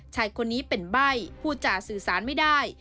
ชายคนนี้เป็นใบ้ผู้จ่าสื่อสารไม่ได้